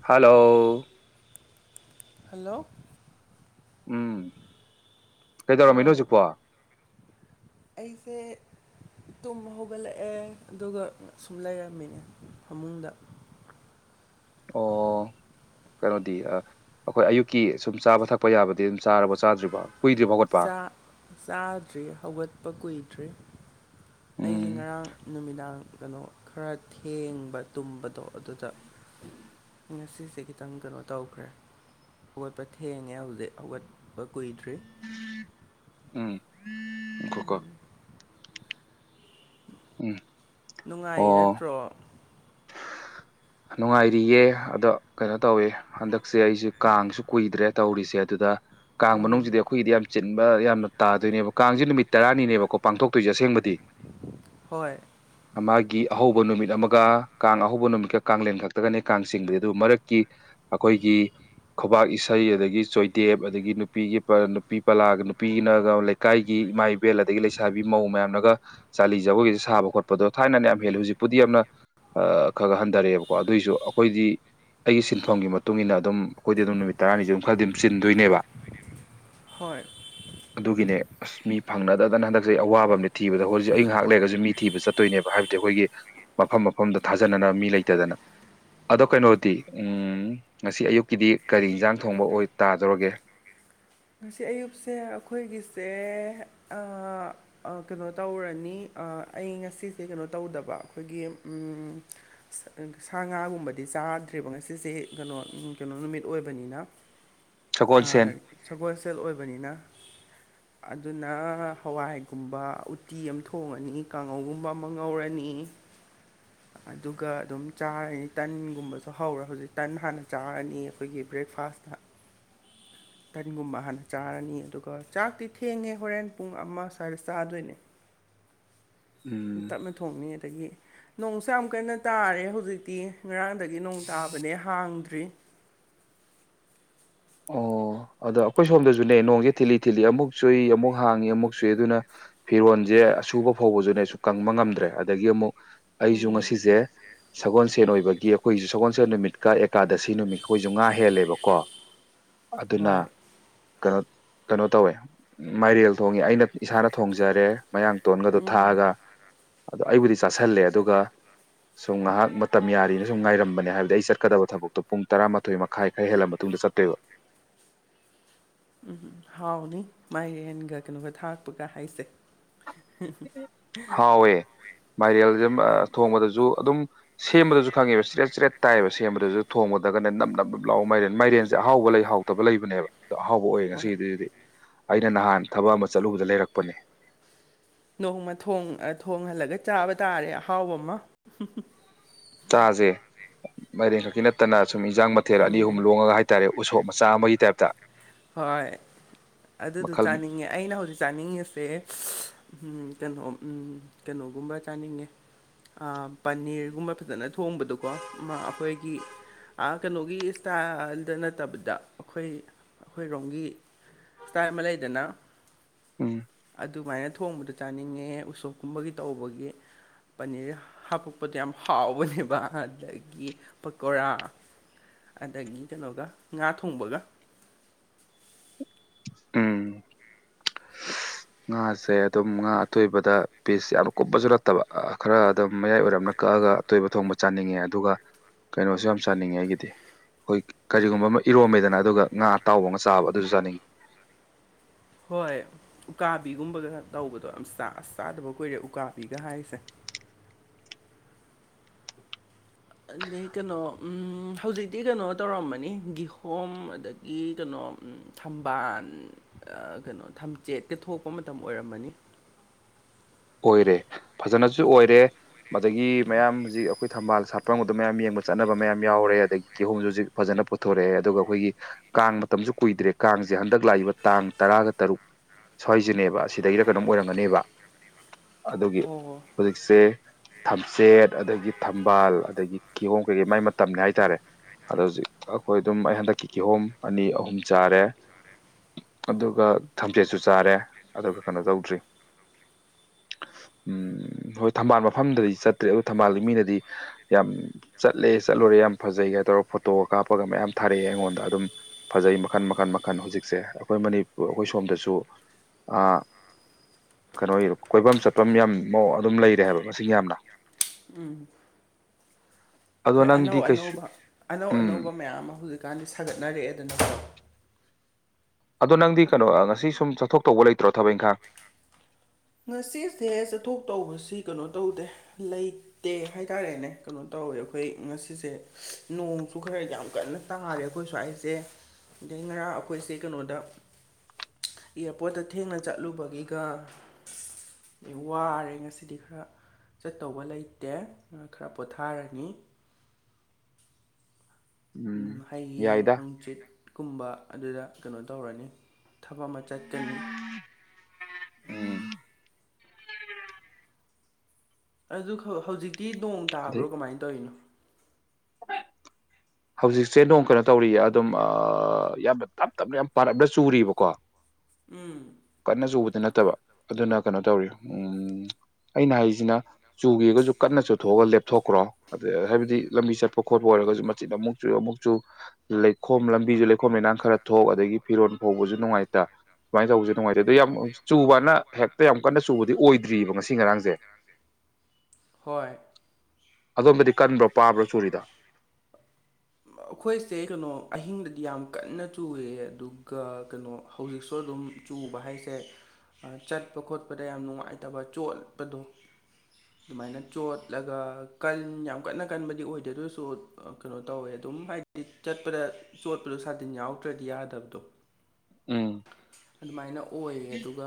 hello hello ꯎꯝ ꯀꯩꯗꯧꯔꯝꯃꯤꯅꯣ ꯑꯧ ꯍꯧꯖꯤꯛꯄꯨ ꯑꯩꯁꯦ ꯇꯨꯝꯕ ꯍꯧꯒꯠꯂꯛꯑꯦ ꯑꯗꯨꯒ ꯁꯨꯝ ꯂꯩꯔꯝꯃꯤꯅꯦ ꯐꯃꯨꯡꯗ ꯑꯣ ꯀꯩꯅꯣꯗꯤ ꯑꯩꯈꯣꯏ ꯑꯌꯨꯛꯀꯤ ꯁꯨꯝ ꯆꯥꯕ ꯊꯛꯄ ꯌꯥꯕꯗꯤ ꯑꯗꯨꯝ ꯆꯥꯔꯕꫭ ꯆꯥꯗ꯭ꯔꯤꯕꫭ ꯀꯨꯏꯗ꯭ꯔꯤꯕꫭ ꯍꯥꯎꯒꯠꯄ ꯑꯥ ꯆꯥꯗ꯭ꯔꯤ ꯍꯧꯒꯠꯄ ꯀꯨꯏꯗꯔꯤ ꯑꯩꯁꯨ ꯎꯝ ꯉꯔꯥꯡ ꯅꯨꯃꯤꯗꯥꯡ ꯀꯩꯅꯣ ꯈꯔ ꯊꯦꯡꯕ ꯇꯨꯝꯕꯗꯣ ꯑꯗꯨꯗ ꯉꯁꯤꯁꯦ ꯈꯤꯇꯪ ꯀꯩꯅꯣ ꯇꯧꯈ꯭ꯔꯦ ꯍꯧꯒꯠꯄ ꯊꯦꯡꯉꯦ ꯍꯧꯖꯤꯛ ꯍꯧꯒꯠꯄ ꯀꯨꯏꯗ꯭ꯔꯤ ꯎꯝ ꯉꯥꯏꯈꯣꯀꯣ ꯎꯝ ꯅꯨꯡꯉꯥꯏꯔꯤ ꯑꯣ ꯅꯠꯇ꯭ꯔꯣ ꯅꯨꯡꯉꯥꯏꯔꯤꯌꯦ ꯑꯗꫭ ꯀꯩꯅꯣ ꯇꯧꯋꯦ ꯍꯟꯗꯛꯁꯦ ꯑꯩꯁꯦ ꯀꯥꯡꯁꯨ ꯀꯨꯏꯗ꯭ꯔꯦ ꯇꯧꯔꯤꯁꯦ ꯑꯗꯨꯗ ꯀꯥꯡ ꯃꯅꯨꯡꯁꯤꯗꯤ ꯑꯩꯈꯣꯏꯒꯤꯗꯤ ꯌꯥꯝ ꯆꯤꯟꯕ ꯌꯥꯝꯅ ꯇꯥꯗꯣꯏꯅꯦꯕ ꯀꯥꯡꯁꯦ ꯅꯨꯃꯤꯠ ꯇꯔꯥꯅꯤꯅꯦꯕꯀꯣ ꯄꯥꯡꯊꯣꯛꯇꯣꯏꯁꯦ ꯑꯁꯦꯡꯕꯗꯤ ꯍꯣꯏ ꯃꯥꯒꯤ ꯑꯍꯧꯕ ꯅꯨꯃꯤꯠ ꯑꯃꯒ ꯀꯥꯡ ꯑꯍꯧꯕ ꯅꯨꯃꯤꯠꯀ ꯀꯥꯡꯂꯦꯟ ꯈꯛꯇꯒꯅꯦ ꯀꯥꯡ ꯆꯤꯡꯕꯗꯤ ꯑꯗꯨ ꯃꯔꯛꯀꯤ ꯑꯩꯈꯣꯏꯒꯤ ꯈꯨꯕꯥꯛ ꯏꯁꯩ ꯑꯗꯥꯒꯤ ꯆꯣꯏꯗꯦꯞ ꯑꯗꯥꯒꯤ ꯅꯨꯄꯤꯒꯤ ꯄꯥꯜ ꯅꯨꯄꯤ ꯄꯂꯥꯒ ꯅꯨꯄꯤꯅꯒ ꯀꯥꯏꯒꯤ ꯏꯃꯥ ꯏꯕꯦꯜ ꯑꯗꯥꯒꯤ ꯂꯩꯁꯥꯕꯤ ꯃꯧ ꯃꯌꯥꯝꯅꯒ ꯆꯥꯂꯤ ꯖꯒꯒꯤꯁꯦ ꯁꯥꯕ ꯈꯣꯠꯄꯗꯣ ꯊꯥꯏꯅ ꯌꯥꯝ ꯍꯦꯜꯂꯦ ꯍꯧꯖꯤꯛꯄꯨꯗꯤ ꯌꯥꯝꯅ ꯈꯔ ꯈꯔ ꯍꯟꯊꯔꯛꯑꯦꯕ ꯀꯣ ꯑꯗꯨꯑꯣꯏꯁꯨ ꯑꯩꯈꯣꯏꯗꯤ ꯑꯩꯒꯤ ꯁꯤꯟꯐꯝꯒꯤ ꯃꯇꯨꯡꯏꯟꯅ ꯑꯗꯨꯝ ꯑꯩꯈꯣꯏꯗꯤ ꯑꯗꯨꯝ ꯅꯨꯃꯤꯠ ꯇꯔꯥꯅꯤꯁꯨ ꯑꯗꯨꯝ ꯈꯔꯗꯤ ꯑꯗꯨꯝ ꯆꯤꯟꯗꯣꯏꯅꯦꯕ ꯍꯣꯏ ꯑꯗꯨꯒꯤꯅꯦ ꯑꯁ ꯃꯤ ꯐꯪꯅꯗꯗꯅ ꯍꯟꯗꯛꯁꯦ ꯑꯋꯥꯕ ꯑꯃ ꯊꯤꯕꯗ ꯍꯧꯖꯤꯛ ꯑꯩ ꯉꯥꯏꯍꯥꯛ ꯂꯩꯔꯒꯁꯨ ꯃꯤ ꯊꯤꯕ ꯆꯠꯇꯣꯏꯅꯦꯕ ꯍꯥꯏꯕꯗꯤ ꯑꯩꯈꯣꯏꯒꯤ ꯃꯐꯝ ꯃꯐꯝꯗꯨ ꯊꯥꯖꯅꯅꯕ ꯃꯤ ꯂꯩꯇꯗꯅ ꯑꯗꯣ ꯀꯩꯅꯣꯗꯤ ꯎ ꯉꯁꯤ ꯑꯌꯨꯛꯀꯤꯗꯤ ꯀꯔꯤ ꯏꯟꯖꯥꯡ ꯊꯣꯡꯕ ꯑꯣꯏ ꯇꯥꯗꯧꯔꯒꯦ ꯉꯁꯤ ꯑꯌꯨꯛꯁꯦ ꯑꯩꯈꯣꯏꯒꯤꯁꯦ ꯑꯥ ꯑꯥ ꯀꯩꯅꯣ ꯇꯧꯔꯅꯤ ꯑꯥ ꯑꯩ ꯉꯁꯤꯁꯦ ꯀꯩꯅꯣ ꯇꯧꯗꯕ ꯑꯩꯈꯣꯏꯒꯤ ꯁꯥ ꯉꯥꯒꯨꯝꯕꯗꯤ ꯆꯥꯗ꯭ꯦꯔꯤꯕ ꯉꯁꯤꯁꯦ ꯀꯩꯅꯣ ꯀꯩꯅꯣ ꯅꯨꯃꯤꯠ ꯑꯣꯏꯕꯅꯤꯅ [inaudible] ꯑꯥ ꯁꯒꯣꯜꯁꯦꯜ ꯑꯣꯏꯕꯅꯤꯅ [inaudible] ꯑꯗꯨꯅ ꯍꯋꯥꯏꯒꯨꯝꯕ ꯎꯠꯇꯤ ꯑꯃ ꯊꯣꯡꯉꯅꯤ ꯀꯥꯡꯉꯧꯒꯨꯝꯕ ꯑꯃ ꯉꯧꯔꯅꯤ [inaudible] ꯑꯗꯨꯒ ꯑꯗꯨꯝ ꯆꯥꯔꯅꯤ ꯇꯟꯒꯨꯝꯕꯁꯨ ꯍꯧꯔ ꯍꯧꯖꯤꯛ ꯇꯟ ꯍꯥꯟꯅ ꯆꯥꯔꯅꯤ ꯑꯩꯈꯣꯏꯒꯤ ꯕ꯭ꯔꯦꯛꯐꯥꯁꯇ ꯇꯟꯒꯨꯝꯕ ꯍꯥꯟꯅ ꯆꯥꯔꯅꯤ ꯑꯗꯨꯒ ꯆꯥꯛꯇꯤ ꯊꯦꯡꯉꯦ ꯍꯣꯔꯦꯟ ꯄꯨꯡ ꯑꯃ ꯁ꯭ꯋꯥꯏꯗ ꯆꯥꯗꯨꯏꯅꯦ ꯎꯝ ꯇꯞꯅ ꯊꯣꯡꯅꯤ ꯑꯗꯥꯒꯤ ꯅꯣꯡꯁꯨ ꯌꯥꯝ ꯀꯟꯅ ꯇꯥꯔꯦ ꯍꯧꯖꯤꯛꯇꯤ ꯉꯔꯥꯡꯗꯒꯤ ꯅꯣꯡ ꯇꯥꯕꯅꯦ ꯍꯥꯡꯗ꯭ꯔꯤ ꯑꯣ ꯑꯗꯥ ꯑꯩꯈꯣꯏ ꯁꯣꯝꯗꯁꯨꯅꯦ ꯅꯣꯡꯁꯦ ꯊꯤꯜꯂꯤ ꯊꯤꯜꯂꯤ ꯑꯃꯨꯛ ꯆꯨꯏ ꯑꯃꯨꯛ ꯍꯥꯡꯏꯤ ꯑꯃꯨꯛ ꯆꯨꯏ ꯑꯗꯨꯅ ꯐꯤꯔꯣꯟꯜꯁꯦ ꯑꯁꯨꯕ ꯐꯥꯎꯕꯁꯨꯅꯦꯁꯨ ꯀꯪꯕ ꯉꯝꯗ꯭ꯔꯦ ꯑꯗꯒꯤ ꯑꯃꯨꯛ ꯑꯩꯁꯨ ꯉꯁꯤꯁꯦ ꯁꯒꯣꯜꯁꯦꯟ ꯑꯣꯏꯕꯒꯤ ꯑꯩꯈꯣꯏꯁꯨ ꯁꯒꯣꯜꯁꯦꯟ ꯅꯨꯃꯤꯠꯀ ꯑꯦꯀꯥꯗꯁꯤ ꯅꯨꯃꯤꯠ ꯑꯩꯈꯣꯏꯁꯨ ꯉꯥ ꯍꯦꯜꯂꯦꯕꯀꯣ ꯑꯗꯨꯅ ꯍꯣꯏ ꯀꯩꯅꯣ ꯀꯩꯅꯣ ꯇꯧꯋꯦ ꯃꯥꯏꯔꯦꯜ ꯊꯣꯡꯉꯤ ꯑꯩꯅ ꯏꯁꯥꯅ ꯊꯣꯡꯖꯔꯦ ꯃꯌꯥꯡ ꯇꯣꯟꯒꯗꯣ ꯊꯥꯛꯑꯒ ꯑꯗꯣ ꯑꯩꯕꯨꯗꯤ ꯆꯥꯥꯁꯜꯂꯦ ꯑꯗꯨꯒ ꯁꯨꯝ ꯉꯥꯏꯍꯥꯛ ꯃꯇꯝ ꯌꯥꯔꯤꯅ ꯁꯨꯝ ꯉꯥꯏꯔꯝꯕꯅꯦ ꯍꯥꯏꯕꯗꯤ ꯑꯩ ꯆ ꯆꯠꯀꯗꯕ ꯊꯕꯛꯇꯣ ꯄꯨꯡ ꯇꯔꯥꯃꯥꯊꯣꯏ ꯃꯈꯥꯏ ꯈꯔ ꯍꯦꯜꯂ ꯃꯇꯨꯡꯗ ꯆꯠꯇꯣꯏꯕ ꯎꯝ ꯍꯥꯎꯅꯤ ꯃꯥꯏꯔꯦꯟꯒ ꯀꯩꯅꯣꯒ ꯊꯥꯛꯛꯄꯒ ꯍꯥꯏꯁꯦ ꯍꯥꯎꯋꯦ ꯃꯥꯏꯔꯦꯜꯁꯦ ꯊꯣꯡꯕꯗꯁꯨ ꯑꯗꯨꯝ ꯁꯦꯝꯕꯗꯁꯨ ꯈꯪꯉꯦꯕ ꯆꯔꯠ ꯆꯤꯔꯦꯠ ꯇꯥꯏꯌꯦꯕ ꯁꯦꯝꯕꯗꯁꯨ ꯊꯣꯡꯒꯗꯒꯅꯦ ꯅꯝ ꯅꯞ ꯅꯞ ꯂꯥꯛꯑꯣ ꯃꯥꯏꯔꯦꯟ ꯃꯥꯏꯔꯦꯟꯁꯦ ꯑꯍꯥꯎꯕ ꯂꯩꯍꯥꯎꯗꯕ ꯂꯩꯕꯅꯦꯕ ꯑꯗꯣ ꯑꯍꯥꯎꯕ ꯑꯣꯏꯌꯦ ꯍꯣꯏ ꯉꯁꯤꯗꯨꯗꯤ ꯑꯩꯅ ꯅꯍꯥꯟ ꯊꯕꯛ ꯑꯃ ꯆꯠꯂꯨꯕꯗ ꯂꯩꯔꯛꯄꯅꯦ ꯅꯣꯡꯃ ꯊꯣꯡꯍꯜꯂꯒ ꯆꯥꯕ ꯇꯥꯔꯦ ꯑꯍꯥꯎꯕ ꯑꯃ ꯆꯥꯁꯦ ꯃꯔꯦꯡ ꯈꯛꯀꯤ ꯅꯠꯇꯅ ꯁꯨꯝ ꯏꯟꯖꯥꯡ ꯃꯊꯦꯜ ꯑꯅꯤ ꯑꯍꯨꯝ ꯂꯣꯡꯉꯒ ꯍꯥꯏꯦ ꯍꯥꯏꯇꯥꯔꯦ ꯎꯁꯣꯞ ꯃꯆꯥ ꯑꯃꯒꯤ ꯇꯥꯏꯞꯇ ꯍꯣꯏ ꯑꯗꯨꯗꯨ ꯃꯈꯜ ꯆꯥꯅꯤꯡꯉꯦ ꯑꯩꯅ ꯍꯧꯖꯤꯛ ꯆꯥꯅꯤꯡꯉꯤꯁꯦ ꯀꯩꯅꯣ ꯀꯩꯅꯣꯒꯨꯝꯕ ꯆꯥꯅꯤꯡꯉꯦ ꯄꯅꯤꯔꯒꯨꯝꯕ ꯐꯖꯅ ꯊꯣꯡꯕꯗꯀꯣ ꯑꯩꯈꯣꯏꯒꯤ ꯀꯩꯅꯣꯒꯤ ꯏꯁꯇꯥꯏꯜꯗ ꯅꯠꯇꯕꯗ ꯑꯩꯈꯣꯏ ꯑꯩꯈꯣꯏꯔꯣꯝꯒꯤ ꯏꯁꯇꯥꯏꯞ ꯑꯃ ꯂꯩꯗꯅ ꯎꯝ ꯑꯗꯨꯃꯥꯏꯅ ꯊꯣꯡꯕꯗ ꯆꯥꯅꯤꯡꯉꯦ ꯎꯁꯣꯞꯀꯨꯝꯕꯒꯤ ꯇꯧꯕꯒꯤ ꯄꯅꯤꯔ ꯍꯥꯄꯛꯄꯗꯣ ꯌꯥꯝ ꯍꯥꯎꯕꯅꯦꯕ ꯑꯗꯒꯤ ꯄꯀꯣꯔꯥ ꯑꯗꯒꯤ ꯀꯩꯅꯣꯒ ꯉꯥ ꯊꯣꯡꯕꯒ ꯎꯝ ꯉꯥꯁꯦ ꯑꯗꯨꯝ ꯉꯥ ꯑꯊꯣꯏꯕꯗ ꯄꯤꯁ ꯌꯥꯝ ꯀꯨꯞꯕꯁꯨ ꯅꯠꯇꯕ ꯈꯔ ꯑꯗꯨꯝ ꯃꯌꯥꯏ ꯑꯣꯏꯔꯝꯅ ꯀꯛꯑꯒ ꯑꯇꯣꯏꯕ ꯊꯣꯡꯕ ꯆꯥꯅꯤꯡꯉꯦ ꯑꯗꯨꯒ ꯀꯩꯅꯣꯁꯨ ꯌꯥꯝ ꯆꯥꯅꯤꯡꯉꯦ ꯑꯩꯒꯤꯗꯤ ꯑꯩꯈꯣꯏ ꯀꯔꯤꯒꯨꯝꯕ ꯑꯃ ꯏꯔꯣꯝꯃꯦꯗꯅ ꯑꯗꯨꯒ ꯉꯥ ꯑꯇꯥꯎꯕ ꯑꯃ ꯆꯥꯕ ꯑꯗꯨꯁꯨ ꯆꯥꯅꯤꯡꯉꯤ ꯍꯣꯏ ꯎꯀꯥꯕꯤꯒꯨꯝꯕꯒ ꯇꯧꯕꯗꯣ ꯌꯥꯝ ꯆꯥ ꯆꯥꯗꯕ ꯀꯨꯏꯔꯦ ꯎꯀꯥꯕꯤꯒ ꯍꯥꯏꯁꯦ ꯑꯗꯩ ꯀꯩꯅꯣ ꯎꯝ ꯍꯧꯖꯤꯛꯇꯤ ꯀꯩꯅꯣ ꯇꯧꯔꯝꯃꯅꯤ ꯒꯤꯍꯣꯝ ꯑꯗꯒꯤ ꯀꯩꯅꯣ ꯊꯝꯕꯥꯜ ꯀꯩꯅꯣ ꯊꯝꯆꯦꯠꯀ ꯊꯣꯛꯄ ꯃꯇꯝ ꯑꯣꯏꯔꯝꯃꯅꯤ ꯑꯣꯏꯔꯦ ꯐꯖꯅꯁꯨ ꯑꯣꯏꯔꯦ ꯑꯗꯒꯤ ꯃꯌꯥꯝ ꯍꯧꯖꯤꯛ ꯑꯩꯈꯣꯏ ꯊꯝꯕꯥꯜ ꯁꯥꯠꯄ ꯑꯗꯨꯝ ꯃꯌꯥꯝ ꯌꯦꯡꯕ ꯆꯠꯅꯕ ꯃꯌꯥꯝ ꯌꯥꯎꯔꯦ ꯑꯗꯒꯤ ꯀꯤꯍꯣꯝꯁꯨ ꯍꯧꯖꯤꯛ ꯐꯖꯅ ꯄꯨꯊꯣꯔꯛꯑꯦ ꯑꯗꯨꯒ ꯑꯩꯈꯣꯏꯒꯤ ꯀꯥꯡ ꯃꯇꯝꯁꯨ ꯀꯨꯏꯗ꯭ꯔꯦ ꯀꯥꯡꯁꯦ ꯍꯟꯗꯛ ꯂꯥꯛꯏꯕ ꯇꯥꯡ ꯇꯔꯥꯒ ꯇꯔꯨꯛ ꯁ꯭ꯋꯥꯏꯁꯤꯅꯦꯕ ꯑꯁꯤꯗꯒꯤꯔ ꯀꯩꯅꯣꯝ ꯑꯣꯏꯔꯝꯒꯅꯦꯕ ꯑꯗꯨꯒꯤ ꯑꯣ ꯍꯧꯖꯤꯛꯁꯦ ꯊꯝꯆꯦꯠ ꯑꯗꯒꯤ ꯊꯝꯕꯥꯜ ꯑꯗꯒꯤ ꯀꯤꯍꯣꯝ ꯀꯩꯀꯩ ꯃꯥꯏ ꯃꯇꯝꯅꯦ ꯍꯥꯏꯇꯥꯔꯦ ꯑꯗꯣ ꯍꯧꯖꯤꯛ ꯑꯩꯈꯣꯏ ꯑꯗꯨꯝ ꯑꯩ ꯍꯟꯗꯛꯀꯤ ꯀꯤꯍꯣꯝ ꯑꯅꯤ ꯑꯍꯨꯝ ꯆꯥꯔꯦ ꯑꯗꯨꯒ ꯊꯝꯆꯦꯠꯁꯨ ꯆꯥꯔꯦ ꯑꯗꯨꯒ ꯀꯩꯅꯣ ꯇꯧꯗ꯭ꯔꯤ ꯎꯝ ꯍꯣꯏ ꯊꯝꯕꯥꯜ ꯃꯐꯝꯗꯗꯤ ꯆꯠꯇ꯭ꯔꯦ ꯑꯗꯣ ꯊꯝꯕꯥꯜꯗꯤ ꯃꯤꯅꯗꯤ ꯌꯥꯝ ꯆꯠꯂꯦ ꯆꯠꯂꯨꯔꯦ ꯌꯥꯝ ꯐꯖꯩꯒ ꯇꯧꯔꯒ ꯐꯣꯇꯣꯒ ꯀꯥꯞꯄꯒ ꯃꯌꯥꯝ ꯊꯥꯔꯛꯑꯦ ꯑꯩꯉꯣꯟꯗ ꯑꯗꯨꯝ ꯐꯖꯩ ꯃꯈꯜ ꯃꯈꯜ ꯃꯈꯜ ꯍꯧꯖꯤꯛꯁꯦ ꯑꯩꯈꯣꯏ ꯃꯅꯤꯄꯨꯔ ꯑꯩꯈꯣꯏ ꯁꯣꯝꯗꯁꯨ ꯀꯩꯅꯣ ꯀꯣꯏꯕꯝ ꯆꯠꯄꯝ ꯌꯥꯝꯑꯣ ꯑꯗꯨꯝ ꯂꯩꯔꯦ ꯍꯥꯏꯕ ꯃꯁꯤꯡ ꯌꯥꯝꯅ ꯎꯝ ꯑꯗꯣ ꯍꯣꯏ ꯅꯪꯗꯤ ꯑꯅꯧ ꯀꯩꯁꯨ ꯑꯅꯧꯕ ꯑꯅꯧ ꯎꯝ ꯑꯅꯧꯕ ꯃꯌꯥꯝ ꯑꯃ ꯍꯧꯖꯤꯛꯀꯥꯟꯗꯤ ꯁꯥꯒꯠꯅꯔꯛꯑꯦ ꯗꯅꯀꯣ ꯑꯗꯣ ꯅꯪꯗꯤ ꯀꯩꯅꯣ ꯉꯁꯤ ꯁꯨꯝ ꯆꯠꯊꯣꯛ ꯇꯧꯕ ꯂꯩꯇ꯭ꯔꯣ ꯊꯕꯛꯏꯟꯈꯥꯡ ꯉꯁꯤꯁꯦ ꯆꯠꯊꯣꯛ ꯇꯧꯕꯁꯤ ꯀꯩꯅꯣ ꯇꯧꯗꯦ ꯂꯩ ꯇꯦ ꯍꯥꯏꯇꯥꯔꯦꯅꯦ ꯀꯩꯅꯣ ꯇꯧꯋꯦ ꯑꯩꯈꯣꯏ ꯉꯁꯤꯁꯦ ꯅꯣꯡꯁꯨ ꯈꯔ ꯌꯥꯝ ꯀꯟꯅ ꯇꯥꯔꯦ ꯑꯩꯈꯣꯏ ꯁ꯭ꯋꯥꯏꯁꯦ ꯑꯗꯩ ꯉꯔꯥꯡ ꯑꯩꯈꯣꯏꯁꯦ ꯀꯩꯅꯣꯗ ꯏꯌꯥꯔꯄꯣꯔꯠꯇ ꯊꯦꯡꯅ ꯆꯠꯂꯨꯕꯒꯤꯒ ꯋꯥꯔꯦ ꯉꯁꯤꯗꯤ ꯈꯔ ꯆꯠꯇꯧꯕ ꯂꯩꯇꯦ ꯈꯔ ꯄꯣꯊꯥꯔꯅꯤ ꯎꯝ ꯍꯌꯦꯡ ꯌꯥꯏꯗ ꯍꯪꯆꯤꯠ ꯀꯨꯝꯕ ꯑꯗꯨꯗ ꯀꯩꯅꯣ ꯇꯧꯔꯅꯤ ꯊꯕꯛ ꯑꯃ ꯆꯠꯀꯅꯤ ꯎꯝ ꯑꯗꯨ ꯈꯛ ꯍꯧꯖꯤꯛꯇꯤ ꯅꯣꯡ ꯑꯗꯩ ꯇꯥꯕ꯭ꯔꯣ ꯀꯃꯥꯏꯅ ꯇꯧꯔꯤꯅꯣ ꯍꯧꯖꯤꯛꯁꯦ ꯅꯣꯡ ꯀꯩꯅꯣ ꯇꯧꯔꯤꯌꯦ ꯑꯗꯨꯝ ꯑ ꯌꯥꯝꯅ ꯇꯞ ꯇꯞꯅ ꯌꯥꯝ ꯄꯥꯔꯞꯅ ꯆꯨꯔꯤꯕꯀꯣ ꯎꯝ ꯀꯟꯅ ꯆꯨꯕꯗꯤ ꯅꯠꯇꯕ ꯑꯗꯨꯅ ꯀꯩꯅꯣ ꯇꯧꯔꯤ ꯎꯝ ꯑꯩꯅ ꯍꯥꯏꯖꯤꯅ ꯆꯨꯒꯦꯒꯁꯨ ꯀꯟꯅ ꯆꯨꯊꯣꯛꯑꯒ ꯂꯦꯞꯊꯣꯛꯈ꯭ꯔꯣ ꯑꯗ ꯍꯥꯏꯕꯗꯤ ꯂꯝꯕꯤ ꯆꯠꯄ ꯈꯣꯠꯄ ꯑꯣꯏꯔꯒꯁꯨ ꯁꯤꯗ ꯑꯃꯨꯛꯆꯨ ꯑꯃꯨꯛꯆꯨ ꯂꯩꯈꯣꯝ ꯂꯝꯕꯤꯁꯨ ꯂꯩꯈꯣꯝ ꯂꯩꯅꯥꯡ ꯈꯔ ꯊꯣꯛ ꯑꯗꯒꯤ ꯐꯤꯔꯣꯟꯜ ꯐꯥꯎꯕꯁꯨ ꯅꯨꯡꯉꯥꯏꯇ ꯁꯨꯃꯥꯏꯅ ꯇꯧꯕꯁꯦ ꯅꯨꯡꯉꯥꯏꯇꯦ ꯑꯗꯣ ꯌꯥꯝ ꯆꯨꯕꯅ ꯍꯦꯛꯇ ꯌꯥꯝ ꯀꯟꯅ ꯆꯨꯕꯗꯤ ꯑꯣꯏꯗ꯭ꯔꯤꯕ ꯉꯁꯤ ꯉꯔꯥꯡꯁꯦ ꯍꯣꯏ ꯑꯗꯣꯝꯝꯕꯗꯤ ꯀꯟꯕ꯭ꯔꯣ ꯄꯥꯕ꯭ꯔꯣ ꯆꯨꯔꯤꯗꯣ ꯑꯩꯈꯣꯏꯁꯦ ꯀꯩꯅꯣ ꯑꯍꯤꯡꯗꯗꯤ ꯌꯥꯝ ꯀꯟꯅ ꯆꯨꯏꯌꯦ ꯑꯗꯨꯒ ꯀꯩꯅꯣ ꯍꯧꯖꯤꯛꯁꯨ ꯑꯗꯨꯝ ꯆꯨꯕ ꯍꯥꯏꯁꯦ ꯆꯠꯄ ꯈꯣꯠꯄꯗ ꯌꯥꯝ ꯅꯨꯡꯉꯥꯏꯇꯕ ꯆꯣꯠꯄꯗꯣ ꯑꯗꯨꯃꯥꯏꯅ ꯆꯣꯠꯂꯒ ꯀꯟ ꯌꯥꯝ ꯀꯟꯅ ꯀꯟꯕꯗꯤ ꯑꯣꯏꯗꯦ ꯑꯗꯨ ꯑꯣꯏꯔꯁꯨ ꯀꯩꯅꯣ ꯇꯧꯋꯦ ꯑꯗꯨꯝ ꯍꯥꯏꯗꯤ ꯆꯠꯄꯗ ꯆꯣꯠꯄꯗꯣ ꯁꯥꯇꯤꯟ ꯌꯥꯎꯗ꯭ꯔꯗꯤ ꯌꯥꯗꯕꯗꯣ ꯎꯝ ꯑꯗꯨꯃꯥꯏꯅ ꯑꯣꯏꯌꯦ ꯑꯗꯨꯒ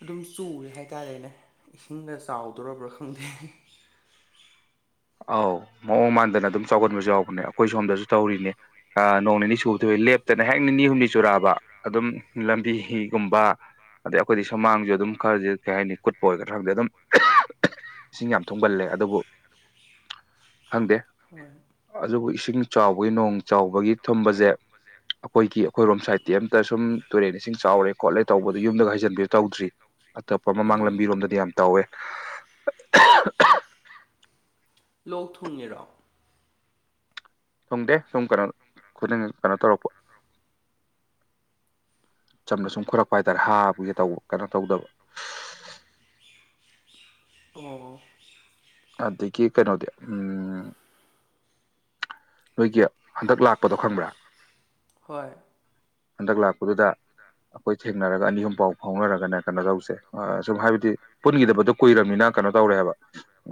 ꯑꯗꯨꯝ ꯆꯨꯔꯦ ꯍꯥꯏꯇꯥꯥꯔꯦꯅꯦ ꯏꯁꯤꯡꯒ ꯆꯥꯎꯗꯔꯕ꯭ꯔꯥ ꯈꯪꯗꯦ ꯑꯧ ꯃꯑꯣꯡ ꯃꯥꯟꯗꯅ ꯑꯗꯨꯝ ꯆꯥꯎꯒꯟꯕꯁꯨ ꯌꯥꯎꯕꯅꯦ ꯑꯩꯈꯣꯏ ꯁꯣꯝꯗꯁꯨ ꯇꯧꯔꯤꯅꯦ ꯅꯣꯡ ꯅꯤꯅꯤ ꯆꯨꯕꯗꯣ ꯂꯦꯞꯇꯅ ꯍꯦꯛ ꯅꯤꯅꯤ ꯍꯨꯝꯅꯤ ꯆꯨꯔꯥꯕ ꯑꯗꯨꯝ ꯂꯝꯕꯤ ꯍꯤꯒꯨꯝꯕ ꯑꯗꯩ ꯑꯩꯈꯣꯏꯗꯤ ꯁꯨꯃꯥꯡꯖꯨ ꯑꯗꯨꯝ ꯈꯔꯗꯤ ꯀꯩ ꯍꯥꯏꯅꯤ ꯀꯨꯠꯄ ꯑꯣꯏꯒꯗ꯭ꯔꯥ ꯈꯡꯗꯦ ꯑꯗꯨꯝ ꯏꯁꯤꯡ ꯌꯥꯝ ꯊꯨꯝꯒꯜꯂꯦ ꯑꯗꯨꯕꯨ ꯈꯪꯗꯦ ꯍꯣꯢ ꯑꯗꯨꯕꯨ ꯏꯁꯤꯡ ꯆꯥꯎꯕꯒꯤ ꯅꯣꯡ ꯆꯥꯎꯕꯒꯤ ꯊꯨꯝꯕꯖꯦ ꯑꯩꯈꯣꯏꯒꯤ ꯑꯩꯈꯣꯏꯔꯣꯝ ꯁꯥꯏꯠꯇꯤ ꯑꯝꯇ ꯁꯨꯝ ꯇꯨꯔꯦꯟ ꯏꯁꯤꯡ ꯆꯥꯎꯔꯦ ꯈꯣꯠꯂꯦ ꯇꯧꯕꯗ ꯌꯨꯝꯗꯒ ꯍꯩꯖꯤꯟꯕꯤꯌ ꯇꯧꯗ꯭ꯔꯤ ꯑꯇꯣꯞꯄ ꯃꯃꯥꯡ ꯎꯝ ꯂꯝꯕꯤꯔꯣꯝꯗꯗꯤ ꯌꯥꯝ ꯇꯧꯋꯦ ꯂꯣꯛ ꯊꯨꯡꯉꯤꯔꯣ ꯊꯣꯡꯗꯦ ꯁꯨꯝ ꯀꯩꯅꯣ ꯈꯨꯗꯤꯡ ꯀꯩꯅꯣ ꯇꯧꯔꯛꯄ ꯆꯝꯅ ꯁꯨꯝ ꯈꯣꯏꯔꯛꯄ ꯍꯥꯏꯇꯥꯔꯦ ꯍꯥꯕꯒꯤ ꯇꯧꯕ ꯀꯩꯅꯣ ꯇꯧꯗꯕ ꯑꯣ ꯑꯗꯒꯤ ꯀꯩꯅꯣꯗꯤ ꯎꯝ ꯅꯣꯏꯒꯤ ꯍꯟꯗꯛ ꯂꯥꯛꯄꯗꯣ ꯈꯪꯕ꯭ꯔꯥ ꯍꯣꯏ ꯍꯟꯗꯛ ꯂꯥꯛꯄꯗꯨꯗ ꯑꯩꯈꯣꯏ ꯊꯦꯡꯅꯔꯒ ꯑꯅꯤ ꯑꯍꯨꯝ ꯄꯥꯎ ꯐꯥꯎꯅꯔꯒꯅꯦ ꯀꯩꯅꯣ ꯇꯧꯁꯦ ꯁꯨꯝ ꯍꯥꯏꯕꯗꯤ ꯄꯨꯟꯈꯤꯗꯕꯗꯣ ꯀꯨꯏꯔꯕꯅꯤꯅ ꯀꯩꯅꯣ ꯇꯧꯔꯦ ꯍꯥꯏꯕ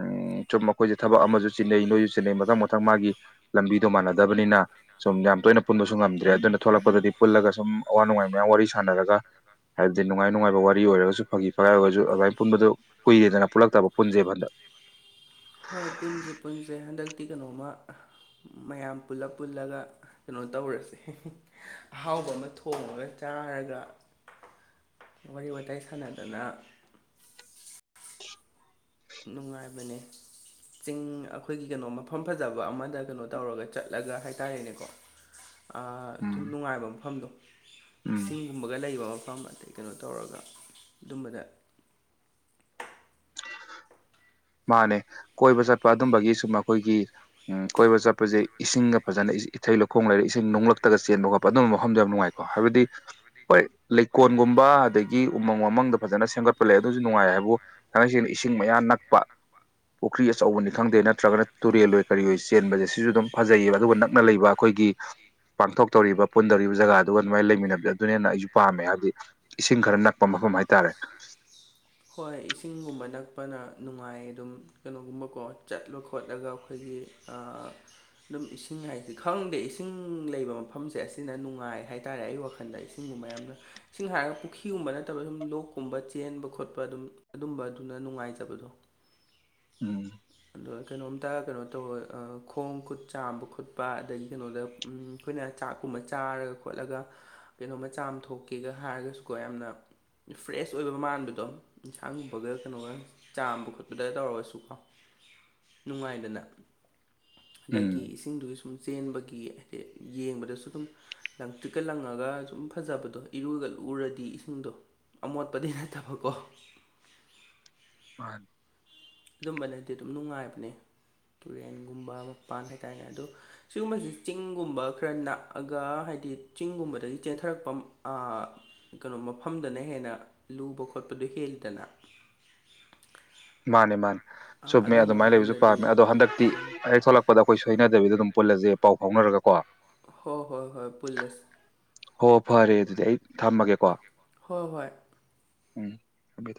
ꯎꯝ ꯁꯨꯝ ꯃꯈꯣꯏꯁꯦ ꯊꯕꯛ ꯑꯃꯁꯨ ꯆꯤꯟꯅꯩ ꯅꯣꯏꯁꯨ ꯆꯤꯟꯅꯩ ꯃꯊꯪ ꯃꯊꯪ ꯃꯥꯒꯤ ꯂꯝꯕꯤꯗꯣ ꯃꯥꯟꯅꯗꯕꯅꯤꯅ ꯁꯨꯝ ꯌꯥꯝ ꯇꯣꯏꯅ ꯄꯨꯟꯕꯁꯨ ꯉꯝꯗ꯭ꯔꯦ ꯑꯗꯨꯅ ꯊꯣꯛꯂꯛꯄꯗꯗꯤ ꯄꯨꯜꯂꯒ ꯁꯨꯝ ꯑꯋꯥ ꯅꯨꯡꯉꯥꯏ ꯃꯌꯥꯝ ꯋꯥꯔꯤ ꯁꯥꯟꯅꯔꯒ ꯍꯥꯏꯕꯗꯤ ꯅꯨꯡꯉꯥꯏ ꯅꯨꯡꯉꯥꯏꯕ ꯋꯥꯔꯤ ꯑꯣꯏꯔꯒꯁꯨ ꯐꯥꯒꯤ ꯐꯒꯥꯏꯔꯒꯁꯨ ꯑꯗꯨꯃꯥꯏꯅ ꯄꯨꯟꯕꯗꯨ ꯀꯨꯏꯔꯦꯗꯅ ꯄꯨꯜꯂꯛꯇꯕ ꯄꯨꯟꯖꯦꯕꯟꯗꯛ ꯍꯣꯏ ꯄꯨꯟꯁꯦ ꯄꯨꯟꯁꯦ ꯍꯟꯗꯛꯇꯤ ꯀꯩꯅꯣꯃ ꯃꯌꯥꯝ ꯄꯨꯜꯂ ꯄꯨꯜꯂꯒ ꯀꯩꯅꯣ ꯇꯧꯔꯁꯦ ꯑꯍꯥꯎꯕ ꯑꯃ ꯊꯣꯡꯉꯒ ꯆꯥꯔꯒ ꯋꯥꯔꯤ ꯋꯥꯋꯇꯥꯏ ꯁꯥꯟꯅꯗꯅ ꯅꯨꯡꯉꯥꯏꯕꯅꯦ ꯆꯤꯡ ꯑꯩꯈꯣꯏꯒꯤ ꯀꯩꯅꯣ ꯃꯐꯝ ꯐꯖꯕ ꯑꯃꯗ ꯀꯩꯅꯣ ꯇꯧꯔꯒ ꯆꯠꯂꯒ ꯍꯥꯏꯇꯥꯔꯦꯅꯦꯀꯣ [inaudible] ꯑꯗꯨꯝ ꯎꯝ ꯅꯨꯡꯉꯥꯏꯕ ꯃꯐꯝꯗꯣ ꯎꯝ ꯁꯤꯡꯒꯨꯝꯕꯒ ꯂꯩꯕ ꯃꯐꯝ ꯑꯇꯩ ꯀꯩꯅꯣ ꯇꯧꯔꯒ ꯑꯗꯨꯝꯕꯗ ꯃꯥꯅꯦ ꯀꯣꯏꯕ ꯆꯠꯄ ꯑꯗꯨꯝꯕꯒꯤ ꯁꯨꯝ ꯑꯩꯈꯣꯏꯒꯤ ꯎꯝ ꯀꯣꯏꯕ ꯆꯠꯄꯁꯦ ꯏꯁꯤꯡꯒ ꯐꯖꯅ ꯏꯊꯩ ꯂꯧꯈꯣꯡ ꯂꯩꯔꯦ ꯏꯁꯤꯡ ꯅꯣꯡꯂꯛꯇꯒ ꯆꯦꯟꯕ ꯈꯣꯠꯄ ꯑꯗꯨꯝꯕ ꯃꯐꯝꯗ ꯌꯥꯝ ꯅꯨꯡꯉꯥꯏ ꯀꯣ ꯍꯥꯏꯕꯗꯤ ꯍꯣꯏ ꯂꯩꯀꯣꯜꯒꯨꯝꯕ ꯑꯗꯒꯤ ꯎꯃꯪ ꯋꯥꯃꯪꯗ ꯐꯖꯅ ꯁꯦꯝꯒꯠꯄ ꯂꯩ ꯑꯗꯨꯁꯨ ꯅꯨꯡꯉꯥꯏ ꯍꯥꯏꯕꯨ ꯀꯗꯛꯁꯤꯅ ꯏꯁꯤꯡ ꯃꯌꯥ ꯅꯛꯄ ꯄꯨꯈ꯭ꯔꯤ ꯑꯆꯧꯕꯅꯤ ꯈꯪꯗꯦ ꯅꯠꯇ꯭ꯔꯒꯅ ꯇꯨꯔꯦꯜ ꯑꯣꯏꯣꯏ ꯀꯔꯤꯑꯣ ꯆꯦꯟꯕꯁꯦ ꯁꯤꯁꯨ ꯑꯗꯨꯝ ꯐꯖꯩꯌꯦꯕ ꯑꯗꯨꯒ ꯅꯛꯅ ꯂꯩꯕ ꯑꯩꯈꯣꯏꯒꯤ ꯄꯥꯡꯊꯣꯛꯇꯧꯔꯤꯕ ꯄꯨꯟꯗꯧꯔꯤꯕ ꯖꯒꯥꯗꯨꯒ ꯑꯗꯨꯃꯥꯏꯅ ꯂꯩꯃꯤꯟꯅꯕꯗꯣ ꯑꯗꯨꯅ ꯍꯦꯟꯅ ꯑꯩꯁꯨ ꯄꯥꯝꯃꯦ ꯍꯥꯏꯕꯗꯤ ꯏꯁꯤꯡ ꯈꯔ ꯅꯛꯄ ꯃꯐꯝ ꯍꯥꯏꯇꯥꯔꯦ ꯍꯣꯏ ꯏꯁꯤꯡꯒꯨꯝꯕ ꯅꯛꯄꯅ ꯅꯨꯡꯉꯥꯏ ꯑꯗꯨꯝ ꯀꯩꯅꯣꯒꯨꯝꯕꯀꯣ ꯆꯠꯂꯨ ꯈꯣꯠꯂꯒ ꯑꯩꯈꯣꯏꯒꯤ ꯑꯗꯨꯝ ꯏꯁꯤꯡ ꯍꯥꯏꯁꯦ ꯈꯪꯗꯦ ꯏꯁꯤꯡ ꯂꯩꯕ ꯃꯐꯝꯁꯦ ꯑꯁꯤꯅ ꯅꯨꯡꯉꯥꯏ ꯍꯥꯏꯇꯥꯔꯦ ꯑꯩ ꯋꯥꯈꯜꯗ ꯒꯨꯝꯕ ꯌꯥꯝ ꯏꯁꯤꯡ ꯍꯥꯏꯔꯒ ꯄꯨꯈ꯭ꯔꯤꯒꯨꯝꯕ ꯅꯠꯇꯕ ꯁꯨꯝ ꯂꯣꯛꯀꯨꯝꯕ ꯆꯦꯟꯕ ꯈꯣꯠꯄ ꯑꯗꯨꯝ ꯑꯗꯨꯝꯕ ꯑꯗꯨꯅ ꯅꯨꯡꯉꯥꯏꯖꯕꯗꯣ ꯎꯝ ꯑꯗꯣ ꯀꯩꯅꯣꯝꯇ ꯀꯩꯅꯣ ꯇꯧꯋ ꯈꯣꯡ ꯈꯨꯠ ꯆꯥꯝꯕ ꯈꯣꯠꯄ ꯑꯗꯒꯤ ꯀꯩꯅꯣꯗ ꯑꯩꯈꯣꯏꯅ ꯆꯥꯛꯀꯨꯝꯕ ꯆꯥꯔꯒ ꯈꯣꯠꯂꯒ ꯀꯩꯅꯣꯃ ꯆꯥꯝꯊꯣꯛꯀꯦꯒ ꯍꯥꯏꯔꯒꯁꯨꯀꯣ ꯌꯥꯝꯅ ꯐ꯭ꯔꯦꯁ ꯑꯣꯏꯕ ꯃꯥꯟꯕꯗꯣ ꯏꯟꯁꯥꯡꯒꯨꯝꯕꯒ ꯀꯩꯅꯣꯒ ꯆꯥꯝꯕ ꯈꯣꯠꯄꯗ ꯇꯧꯔꯒꯁꯨꯀꯣ ꯅꯨꯡꯉꯥꯏꯗꯅ ꯍꯟꯗꯛꯀꯤ ꯎꯝ ꯏꯁꯤꯡꯗꯨꯒꯤ ꯁꯨꯝ ꯆꯦꯟꯕꯒꯤ ꯍꯥꯏꯗꯤ ꯌꯦꯡꯕꯗꯁꯨ ꯑꯗꯨꯝ ꯂꯪꯇ꯭ꯔꯤꯛꯀ ꯂꯪꯉꯒ ꯁꯨꯝ ꯐꯖꯕꯗꯣ ꯏꯔꯨꯒ ꯂꯨꯔꯗꯤ ꯏꯁꯤꯡꯗꯣ ꯑꯃꯣꯠꯄꯗꯤ ꯅꯠꯇꯕꯀꯣ ꯑꯗꯨꯝꯕꯅꯗꯤ ꯑꯗꯨꯝ ꯅꯨꯡꯉꯥꯏꯕꯅꯦ ꯇꯨꯔꯦꯟꯒꯨꯝꯕ ꯃꯄꯥꯟ ꯍꯥꯏꯇꯥꯔꯦꯅꯦ ꯑꯗꯨꯗ ꯁꯤꯒꯨꯝꯕꯁꯤ ꯆꯤꯡꯒꯨꯝꯕ ꯈꯔ ꯅꯛꯑꯒ ꯍꯥꯏꯕꯗꯤ ꯆꯤꯡꯒꯨꯝꯕꯗꯒꯤ ꯆꯦꯟꯊꯔꯛꯄ ꯀꯩꯅꯣ ꯃꯐꯝꯗꯅ ꯍꯦꯟꯅ ꯂꯨꯕ ꯈꯣꯠꯄꯗꯣ ꯍꯦꯜꯂꯤꯗꯅ ꯃꯥꯅꯦ ꯃꯥꯅꯦ ꯆꯨꯝꯃꯦ ꯑꯗꯨꯝꯕ ꯑꯗꯨꯃꯥꯏꯅ ꯂꯩꯕꯁꯨ ꯃꯐꯝꯗꯗꯤ ꯄꯥꯝꯃꯦ ꯑꯗꯣ ꯍꯟꯗꯛꯇꯤ ꯑꯩ ꯊꯣꯛꯂꯛꯄ ꯄꯗ ꯑꯩꯈꯣꯏ ꯁꯣꯏꯅꯗꯕꯤꯗ ꯑꯗꯨꯝ ꯄꯨꯜꯂꯁꯦ ꯄꯥꯎ ꯐꯥꯎꯅꯔꯒ ꯀꯣ ꯍꯣꯏ ꯍꯣꯏ ꯍꯣꯏ ꯄꯨꯜꯂꯁꯤ ꯍꯣ ꯐꯔꯦ ꯑꯗꯨꯗꯤ ꯑꯩ ꯊꯝꯃꯒꯦꯀꯣ ꯍꯣꯏ ꯍꯣꯏ ꯎꯝ ꯊꯝꯃꯦ